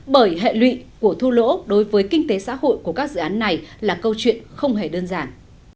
bởi hệ lụy của thu lỗ đối với kinh tế xã hội của các dự án này là câu chuyện không hề đơn giản